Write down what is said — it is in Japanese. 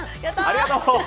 ありがとう！